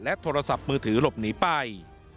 โทรศัพท์มือถือหลบหนีไป